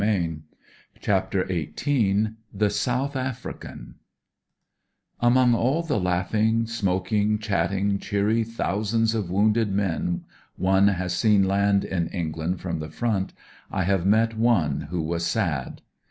I CHAPTER XVIII THE SOUTH AFRICAN Among all the laughing, smoking, chatting, cheery thousands of wounded men one has seen land in England from the front I have met one who was sad.